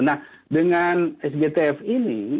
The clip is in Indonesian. nah dengan sgtf ini